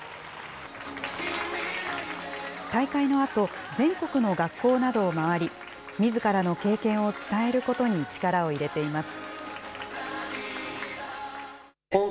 大会のあと、全国の学校などを回り、みずからの経験を伝えることに力を入れています。